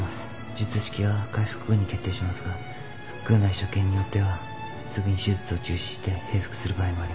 術式は開腹後に決定しますが腹腔内所見によってはすぐに手術を中止して閉腹する場合もあります。